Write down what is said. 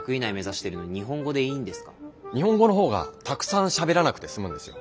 日本語の方がたくさんしゃべらなくて済むんですよ。